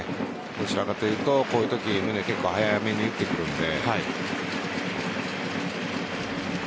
どちらかというと、こういうとき宗は結構早めに打ってくるので。